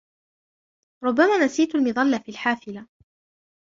ربما نسيت المظلة في الحافلة.